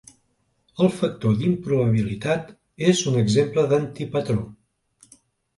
El factor d'improbabilitat és un exemple d'antipatró.